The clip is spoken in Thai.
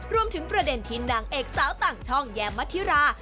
รวมถึงประเด็นที่นางเอกสาวต่างช่องแยมมัธิรา